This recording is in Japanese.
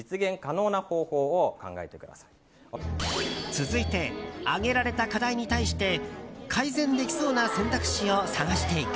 続いて挙げられた課題に対して改善できそうな選択肢を探していく。